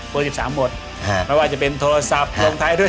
เบอร์๑๓หมดไม่ว่าจะเป็นโทรศัพท์ลงไทด้วย๑๓